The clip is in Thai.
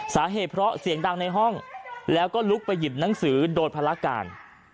สาเหตุเพราะเสียงดังในห้องแล้วก็ลุกไปหยิบหนังสือโดยภารการ